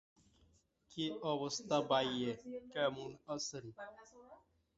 কিন্তু কুয়াকাটায় পর্যটকদের চাপ বেড়ে যাওয়ায় পটুয়াখালী কর্তৃপক্ষ বিমানবন্দর নির্মাণ সম্পন্ন করার কথা বিবেচনা করছে।